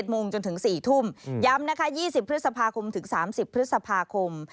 โมงจนถึง๔ทุ่มย้ำนะคะ๒๐พฤษภาคมถึง๓๐พฤษภาคม